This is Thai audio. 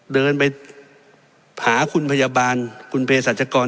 เดินไปหาคุณพยาบาลคุณเพศรัชกร